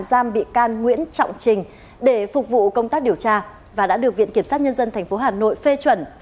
giam bị can nguyễn trọng trình để phục vụ công tác điều tra và đã được viện kiểm sát nhân dân tp hà nội phê chuẩn